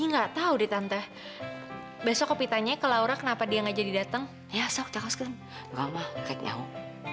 gua punya perawan pengen dibantuin